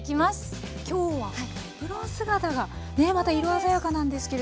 今日はエプロン姿がねまた色鮮やかなんですけれども。